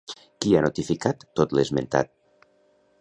Qui ha notificat tot l'esmentat?